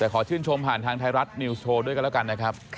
แต่ขอชื่นชมผ่านทางไทยรัฐนิวส์โชว์ด้วยกันแล้วกันนะครับ